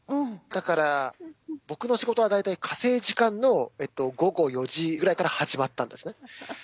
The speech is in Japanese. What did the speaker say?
だから僕の仕事は大体火星時間の午後４時ぐらいから始まったんですね。